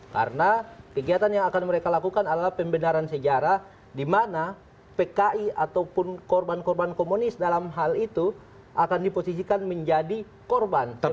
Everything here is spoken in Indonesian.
karena kegiatan yang akan mereka lakukan adalah pembenaran sejarah di mana pki ataupun korban korban komunis dalam hal itu akan diposisikan menjadi korban